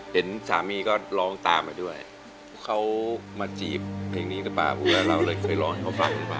เห็นสามีก็ร้องตามมาด้วยเขามาจีบเพลงนี้หรือเปล่าเราเลยเคยร้องให้เขาฟังหรือเปล่า